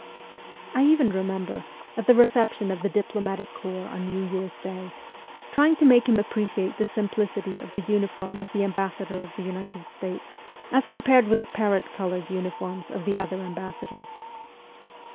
(I even remember, at the reception of the diplo matic corps on New Year's Day, trying to make him appreciate the simplicity of the uniform of the ambassa dor of the United States as compared with the parrot coloured uniforms of the other ambassadors.)